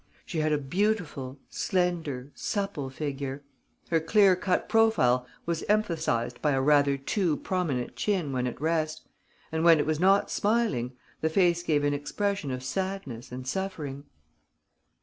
She had a beautiful, slender, supple figure. Her clear cut profile was emphasized by a rather too prominent chin when at rest; and, when it was not smiling, the face gave an expression of sadness and suffering.